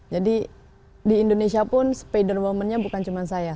jadi di indonesia pun spider woman nya bukan cuma saya